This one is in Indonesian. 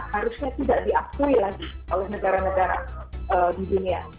harusnya tidak diakui lah oleh negara negara di dunia